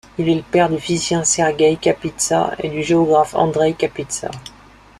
Il est le père du physicien Sergueï Kapitsa et du géographe Andreï Kapitsa.